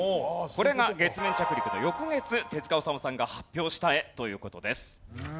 これが月面着陸の翌月手治虫さんが発表した絵という事です。